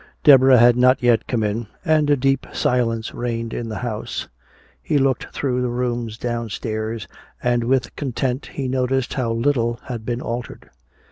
Deborah had not yet come in, and a deep silence reigned in the house. He looked through the rooms downstairs, and with content he noticed how little had been altered.